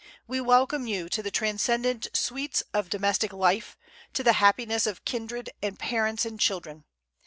We welcome you to the transcendent sweets of domestic life, to the happiness of kindred, and parents, and children.